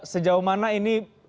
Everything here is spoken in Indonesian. sejauh mana ini